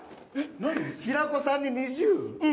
平子さんに２０？